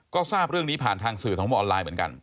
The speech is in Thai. ก็ทราบเรื่องนี้ผ่านทางสื่อของออนไลน์เหมือนกัน